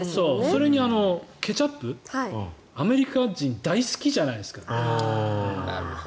それにケチャップアメリカ人大好きじゃないですか。